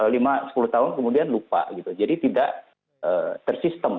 lima sepuluh tahun kemudian lupa gitu jadi tidak tersistem